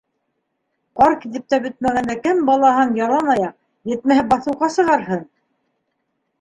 Ҡар китеп тә бөтмәгәндә кем балаһын ялан аяҡ, етмәһә баҫыуға сығарһын?..